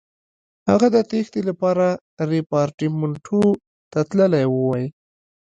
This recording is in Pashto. هغه د تېښتې لپاره ریپارټیمنټو ته تللی وای.